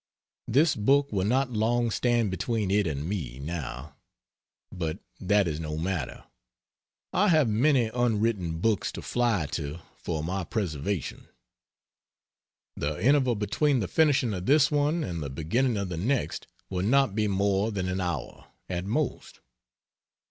This book will not long stand between it and me, now; but that is no matter, I have many unwritten books to fly to for my preservation; the interval between the finishing of this one and the beginning of the next will not be more than an hour, at most.